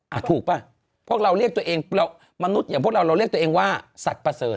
อ่ะถูกป่ะพวกเราเรียกตัวเองเรามนุษย์อย่างพวกเราเราเรียกตัวเองว่าสัตว์ประเสริฐ